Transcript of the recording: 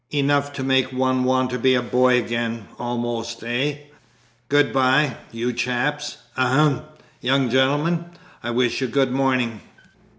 Enough to make one want to be a boy again almost, eh? Good bye, you chaps ahem, young gentlemen, I wish you good morning!"